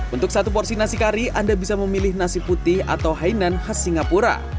untuk satu porsi nasi kari anda bisa memilih nasi putih atau hainan khas singapura